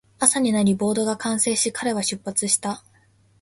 朝になり、ボートが完成し、彼は出発した